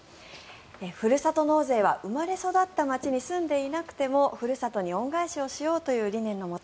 ふるさと納税は生まれ育った町に住んでいなくてもふるさとに恩返しをしようという理念のもと